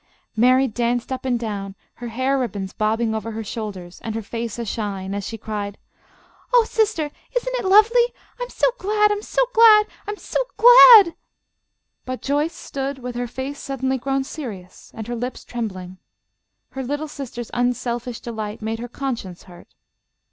Mary danced up and down, her hair ribbons bobbing over her shoulders, and her face ashine, as she cried, "Oh, sister, isn't it lovely? I'm so glad, I'm so glad, I'm so glad!" But Joyce stood with her face suddenly grown serious and her lips trembling. Her little sister's unselfish delight made her conscience hurt.